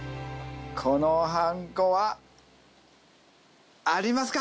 このはんこはありますか？